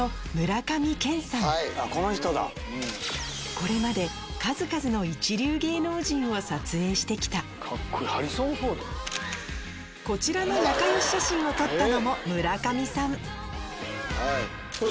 これまで数々の一流芸能人を撮影してきたこちらの仲良し写真を撮ったのも村上さん